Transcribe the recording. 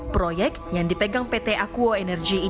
proyek yang dipegang pt akuo energi indonesia